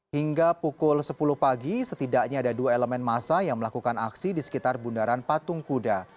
hingga pukul sepuluh pagi setidaknya ada dua elemen masa yang melakukan aksi di sekitar bundaran patung kuda